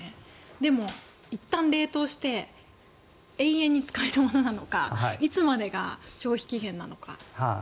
でもいったん冷凍して永遠に使えるものなのかいつまでが消費期限なのか。